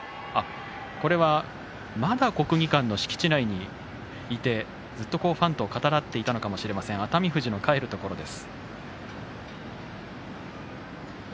これは、まだ国技館の敷地内にいるずっとファンと語らっていたのかもしれません熱海富士の帰るところです。